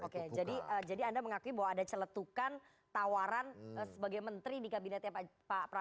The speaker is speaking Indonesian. oke jadi anda mengakui bahwa ada celetukan tawaran sebagai menteri di kabinetnya pak prabowo